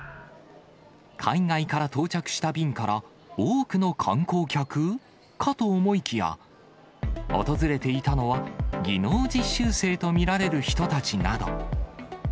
海外から到着した便から、多くの観光客？かと思いきや、訪れていたのは、技能実習生と見られる人たちなど。